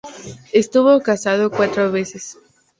Estuvo casado cuatro veces.